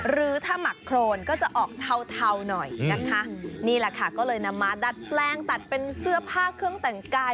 หรือถ้าหมักโครนก็จะออกเทาเทาหน่อยนะคะนี่แหละค่ะก็เลยนำมาดัดแปลงตัดเป็นเสื้อผ้าเครื่องแต่งกาย